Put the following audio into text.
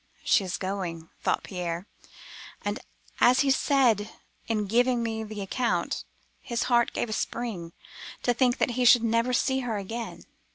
'She is going,' thought Pierre, and (as he said in giving me the account) his heart gave a spring, to think that he should never see her again.